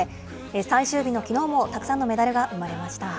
最終日のきのうもたくさんのメダルが生まれました。